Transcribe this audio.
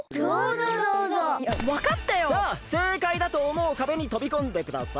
さあせいかいだとおもうかべにとびこんでください！